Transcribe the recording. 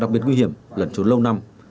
biến nguy hiểm lận trốn lâu năm